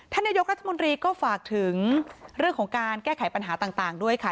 นายกรัฐมนตรีก็ฝากถึงเรื่องของการแก้ไขปัญหาต่างด้วยค่ะ